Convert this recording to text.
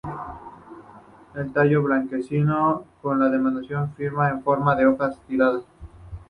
El tallo es blanquecino con descamación fina en forma de hojas o tiras.